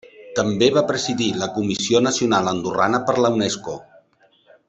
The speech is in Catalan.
També va presidir la Comissió Nacional Andorrana per la Unesco.